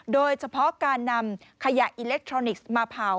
โดยเฉพาะการนำขยะอิเล็กทรอนิกส์มาเผา